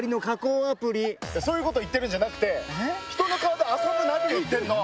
そういうこと言ってるんじゃなく人の顔で遊ぶなって言ってんの！